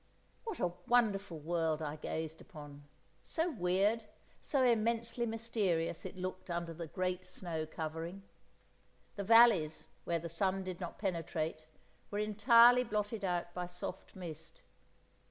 What a wonderful world I gazed upon, so weird, so immensely mysterious it looked under the great snow covering. The valleys where the sun did not penetrate were entirely blotted out by soft mist.